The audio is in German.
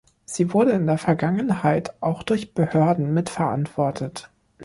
Sie wurde in der Vergangenheit auch durch Behörden mitverantwortet.